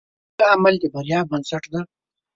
ښه عمل د بریا بنسټ دی.